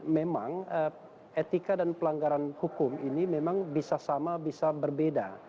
memang etika dan pelanggaran hukum ini memang bisa sama bisa berbeda